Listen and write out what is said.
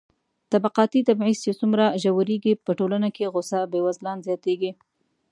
طبقاتي تبعيض چې څومره ژورېږي، په ټولنه کې غوسه بېوزلان زياتېږي.